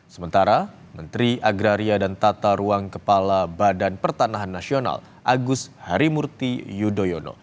sementara menteri agraria dan tata ruang kepala badan pertanahan nasional agus harimurti yudhoyono